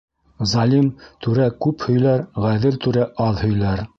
Залим түрә күп һөйләр, ғәҙел түрә аҙ һөйләр.